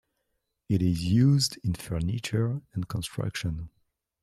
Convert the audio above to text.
It is used in furniture and construction.